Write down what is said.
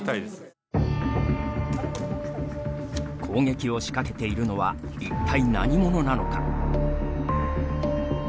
攻撃を仕掛けているのは一体、何者なのか。